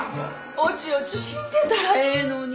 おちおち死んでたらええのに。